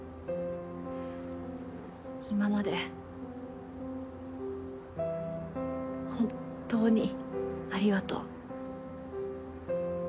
今まで本当にありがとう。